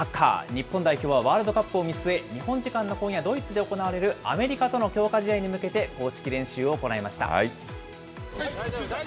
日本代表はワールドカップを見据え、日本時間の今夜、ドイツで行われるアメリカとの強化試合に向けて公式練習を行いました。